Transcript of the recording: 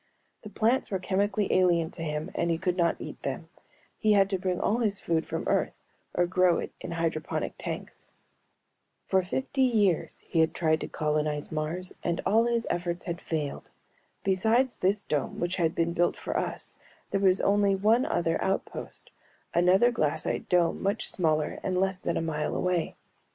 The plants were chemically alien to him and he could not eat them; he had to bring all his food from Earth or grow it in hydroponic tanks. For fifty years he had tried to colonize Mars and all his efforts had failed. Besides this dome which had been built for us there was only one other outpost, another glassite dome much smaller and less than a mile away.